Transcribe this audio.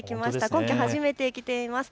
今季、初めて着ています。